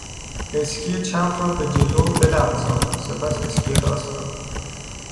اسکی چپ را به جلو بلغزان، سپس اسکی راست را.